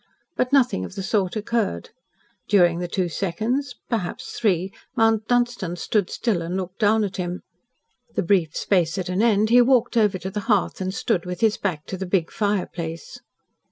But nothing of the sort occurred. During the two seconds perhaps three Mount Dunstan stood still and looked down at him. The brief space at an end, he walked over to the hearth and stood with his back to the big fireplace.